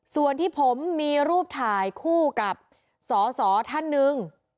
ส่วนที่ผมมีรูปถ่ายคู่กับสอสอท่านหนึ่ง